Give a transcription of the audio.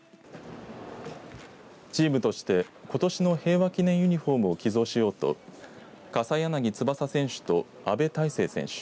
チームとして、ことしの平和祈念ユニフォームを寄贈しようと笠柳翼選手と安部大晴選手